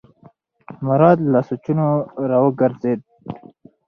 مراد له سوچونو راوګرځېد.